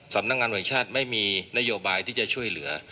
สำนักงานหน่วยชาติไม่มีนโยบายที่จะช่วยเหลือ